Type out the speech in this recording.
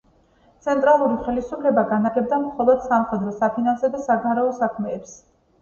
ცენტრალური ხელისუფლება განაგებდა მხოლოდ სამხედრო, საფინანსო და საგარეო საქმეებს.